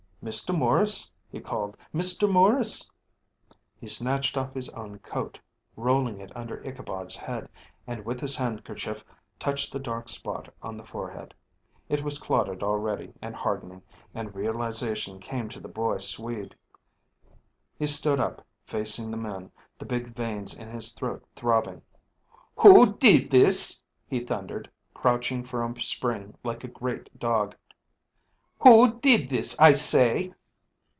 "Mr. Maurice," he called. "Mr. Maurice." He snatched off his own coat, rolling it under Ichabod's head, and with his handkerchief touched the dark spot on the forehead. It was clotted already and hardening, and realization came to the boy Swede. He stood up, facing the men, the big veins in his throat throbbing. "Who did this?" he thundered, crouching for a spring like a great dog. "Who did this, I say?"